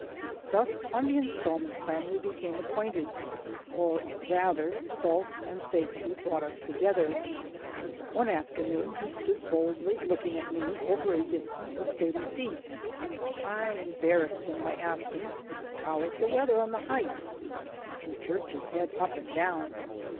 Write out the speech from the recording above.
Thus on the installment plan we became ac quainted, or rather, salt and safety brought us to gether. One afternoon he stood boldly looking me over at a distance of thirty feet. I embarrassed him by asking: "How is the weather on the heights?" He jerked his head up and down.